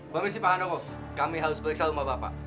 bami sipahandoko kami harus periksa rumah bapak